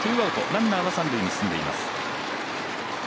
ランナーは三塁へ進んでいます。